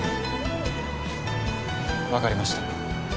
わかりました。